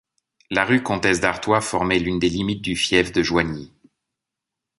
La rue Comtesse-d'Artois formait l'une des limite du fief de Joigny.